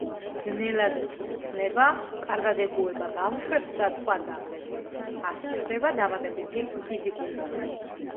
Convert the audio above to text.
ძნელად იწვრთნება, კარგად ეგუება ბავშვებს და სხვა ძაღლებს, არ სჭირდება დამატებითი ფიზიკური დატვირთვა.